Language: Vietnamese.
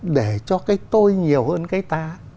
để cho cái tôi nhiều hơn cái ta